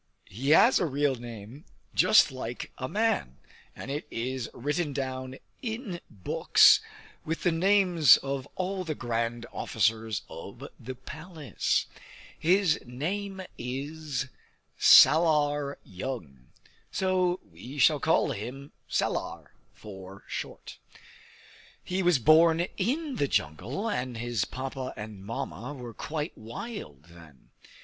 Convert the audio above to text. He has a real name, just like a man, and it is written down in books with the names of all the grand officers of the palace. His name is Salar Jung; so we shall call him Salar for short. He was born in the jungle, and his Papa and Mamma were quite wild then.